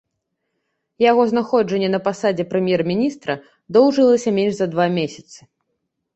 Яго знаходжанне на пасадзе прэм'ер-міністра доўжылася менш за два месяцы.